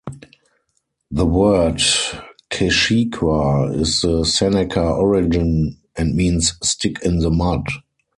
The word Keshequa is of Seneca origin and means Stick in the Mud.